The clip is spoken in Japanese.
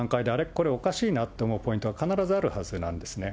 これおかしいなと思うポイントが必ずあるはずなんですね。